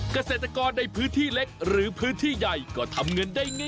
เกษตรกรในพื้นที่เล็กหรือพื้นที่ใหญ่ก็ทำเงินได้ง่าย